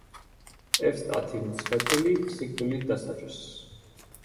ევსტათი მცხეთელი სიკვდილით დასაჯეს.